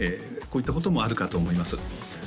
こういったこともあるかと思います